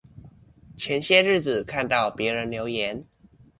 前些日子看到別人留言